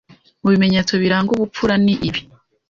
mu bimenyetso biranga ubupfura ni ibi